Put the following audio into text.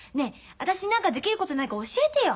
私に何かできることないか教えてよ。